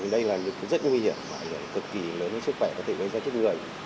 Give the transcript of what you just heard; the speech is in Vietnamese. đây là rất nguy hiểm và cực kỳ lớn sức khỏe có thể gây ra trước người